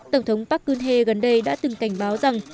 tổng thống park geun hye gần đây đã từng cảnh báo rằng